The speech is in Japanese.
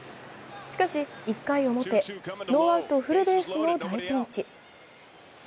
しかし、１回表・ノーアウトフルベースの大ピンチ。